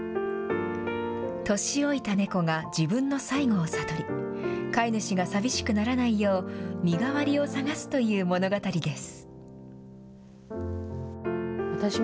年老いた猫が自分の最期を悟り、飼い主が寂しくならないよう、身代わりを探すという物語です。